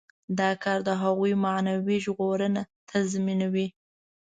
دا کار د هغوی معنوي ژغورنه تضمینوي.